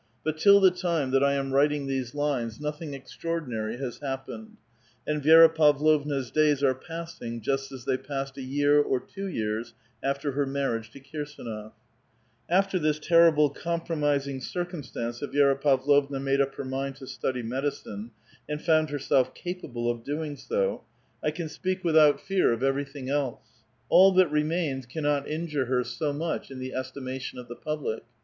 But till the time that I am writing these lines nothing extraordinary has hap pened ; and Vi6ra Pavlovna's days are passing just as they passed a year or two years after her marriage to K^rsdnof . After this terrible compromising circumstance that Vi^ra Pavlovna made up her mind to study medicine, and found herself capable of doing so, I can speak without fear of 868 A VITAL QUESTION. everything'else ; all that remains cannot injure her so much in the estimation of the public.